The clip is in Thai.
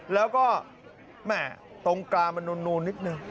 แล้วก็แหม่ตรงกลางมันนูนนิดนึง